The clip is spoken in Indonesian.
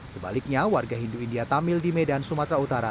sebaliknya warga hindu india tamil di medan sumatera utara